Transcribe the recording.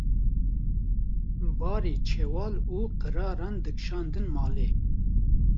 barê çewal û xiraran dikşandin malê.